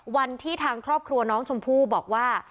วันที่ทางครอบครัวน้องชมพู่บอกว่า